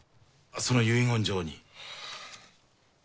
その遺言状に。